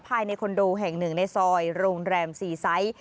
ภายในคอนโดแห่งหนึ่งในซอยโรงแรมซีไซส์